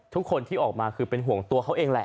ทุกคนที่ออกมาคือเป็นห่วงตัวเขาเองแหละ